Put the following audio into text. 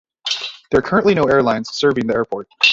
There are currently no airlines serving the airport.